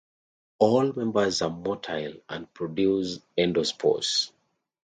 All members are motile and produce endospores.